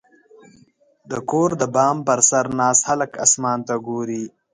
• د کور د بام پر سر ناست هلک اسمان ته ګوري.